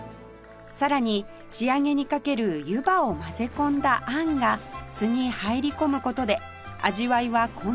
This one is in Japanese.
さらに仕上げにかける湯葉を混ぜ込んだあんが「す」に入り込む事で味わいは混然一体に